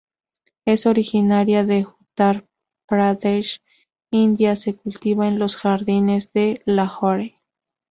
Es originaria de Uttar Pradesh, India, se cultiva en los jardines de Lahore.